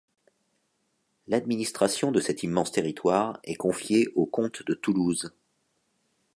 L'administration de cet immense territoire est confiée aux Comtes de Toulouse.